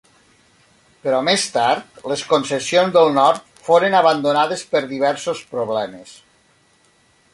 Però més tard les concessions del nord foren abandonades per diversos problemes.